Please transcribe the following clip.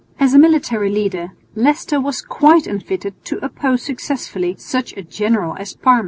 As a military leader Leicester was quite unfitted to oppose successfully such a general as Parma.